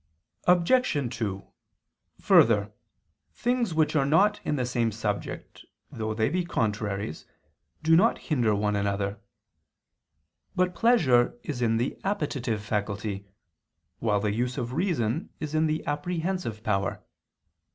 Obj. 2: Further, things which are not in the same subject though they be contraries, do not hinder one another. But pleasure is in the appetitive faculty, while the use of reason is in the apprehensive power.